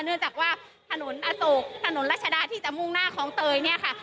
เนื่องจากว่าถนนอโศกถนนรัชดาที่จะมุ่งหน้าคลองเตยเนี่ยค่ะ